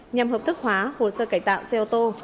nhằm hợp thức hóa hồ sơ cải tạo xe ô tô